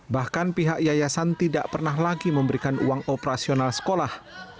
bahkan pihak yayasan tidak pernah lagi memberikan uang operasional sekolah